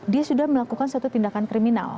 dia sudah melakukan satu tindakan kriminal